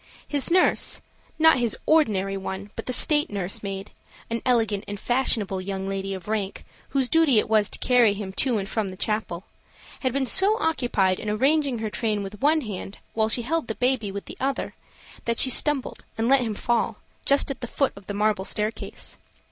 His nurse, not his ordinary one, but the state nurse maid, an elegant and fashionable young lady of rank, whose duty it was to carry him to and from the chapel, had been so occupied in arranging her train with one hand, while she held the baby with the other, that she stumbled and let him fall, just at the foot of the marble staircase.